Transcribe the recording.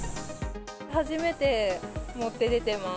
初めて持って出てます。